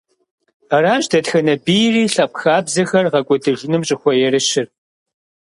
Аращ дэтхэнэ бийри лъэпкъ хабзэхэр гъэкӀуэдыжыным щӀыхуэерыщыр.